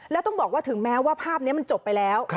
แล้วต้องบอกว่าถึงแม้ว่าภาพนี้มันจบไปแล้ว